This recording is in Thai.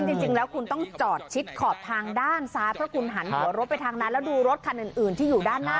จริงแล้วคุณต้องจอดชิดขอบทางด้านซ้าย